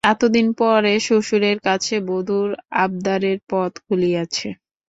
এতদিন পরে শ্বশুরের কাছে বধূর আবদারের পথ খুলিয়াছে।